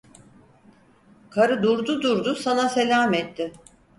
Karı durdu durdu sana selam etti.